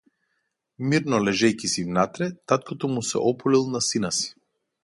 Мирно лежејќи си внатре, таткото му се опулил на сина си.